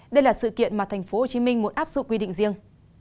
đây là sự kiện mà tp hcm muốn áp dụng quy định riêng